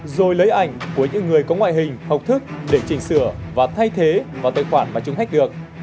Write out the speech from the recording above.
rồi lấy ảnh của những người có ngoại hình học thức để chỉnh sửa và thay thế vào tài khoản mà chúng hách được